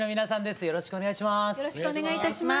よろしくお願いします。